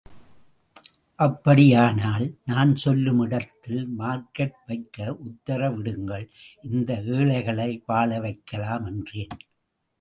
அப்படியானால் நான் சொல்லும் இடத்தில் மார்க்கெட் வைக்க உத்தரவிடுங்கள், இந்த ஏழைகளை வாழ வைக்கலாம் என்றேன்.